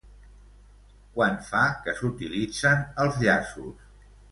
Quant fa que s'utilitzen els llaços?